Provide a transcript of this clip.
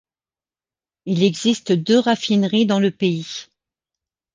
Il existe deux raffineries dans le pays.